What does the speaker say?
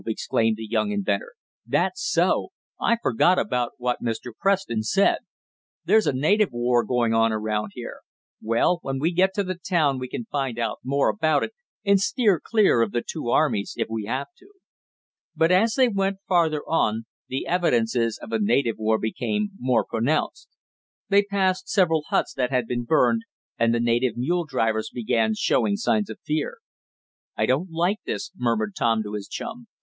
exclaimed the young inventor. "That's so. I forgot about what Mr. Preston said. There's a native war going on around here. Well, when we get to the town we can find out more about it, and steer clear of the two armies, if we have to." But as they went farther on, the evidences of a native war became more pronounced. They passed several huts that had been burned, and the native mule drivers began showing signs of fear. "I don't like this," murmured Tom to his chum.